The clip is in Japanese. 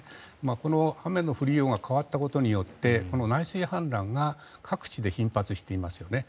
この雨の降りようが変わったことによって内水氾濫が各地で頻発していますよね。